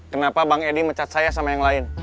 kenapa bang edi mecat saya sama yang lain